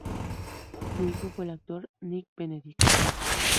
Su hijo fue el actor Nick Benedict.